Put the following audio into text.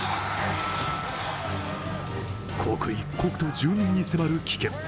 刻一刻と住民に迫る危険。